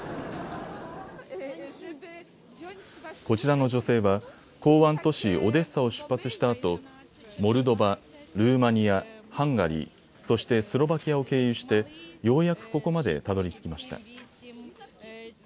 こちらの女性は港湾都市オデッサを出発したあとモルドバ、ルーマニア、ハンガリー、そしてスロバキアを経由してようやくここまでたどりつきました。